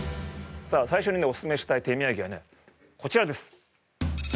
最初におすすめしたい手土産はねこちらです。